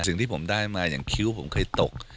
สิ่งที่ผมได้มาอย่างคิ้วผมเคยตก